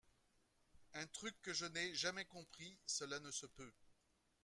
Un truc que je n'ai jamais compris, cela ne se peut